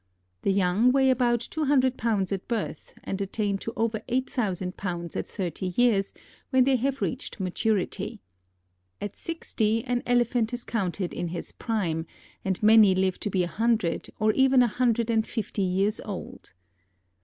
The young weigh about two hundred pounds at birth, and attain to over eight thousand pounds at thirty years, when they have reached maturity. At sixty an Elephant is counted in his prime, and many live to be a hundred or even a hundred and fifty years old.